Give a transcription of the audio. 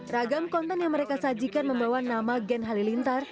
ragam konten yang mereka sajikan membawa nama gen halilintar